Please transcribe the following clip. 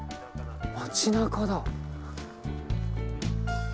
街なかだ。